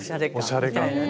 おしゃれ感が。